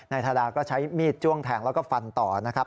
ทาดาก็ใช้มีดจ้วงแทงแล้วก็ฟันต่อนะครับ